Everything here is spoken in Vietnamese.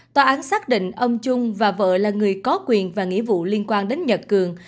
tòa án xác định ông trung và vợ là người có quyền và nghĩa vụ liên quan đến nhật cường